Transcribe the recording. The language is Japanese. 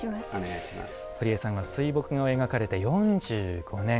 堀江さんは水墨画を描かれて４５年。